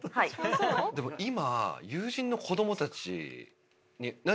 でも今。